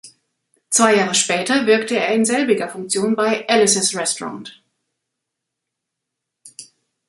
Zwei Jahre später wirkte er in selbiger Funktion bei "Alice’s Restaurant".